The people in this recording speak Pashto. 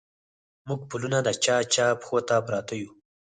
موږه پلونه د چا، چا پښو ته پراته يو